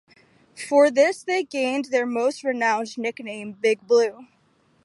For this they gained their most renowned nickname, "Big Blue".